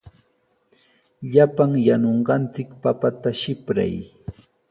Llapan yanunqanchik papata sipray.